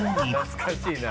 「懐かしいな。